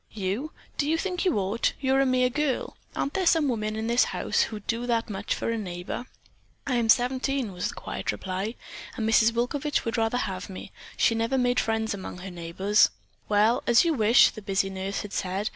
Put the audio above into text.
"You? Do you think you ought? You're a mere girl. Aren't there some women in this house who'd do that much for a neighbor?" "I am seventeen," was the quiet reply, "and Mrs. Wilovich would rather have me. She never made friends among the neighbors." "Well, as you wish," the busy nurse had said.